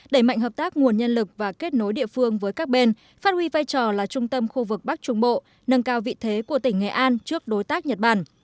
đẩy mạnh hợp tác nguồn nhân lực và kết nối địa phương với các bên phát huy vai trò là trung tâm khu vực bắc trung bộ nâng cao vị thế của tỉnh nghệ an trước đối tác nhật bản